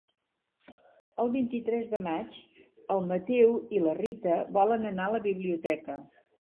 El vint-i-tres de maig en Mateu i na Rita volen anar a la biblioteca.